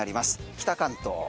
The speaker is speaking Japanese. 北関東。